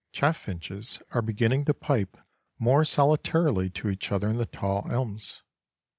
Chaffinches are beginning to pipe more solitarily to each other in the tall elms.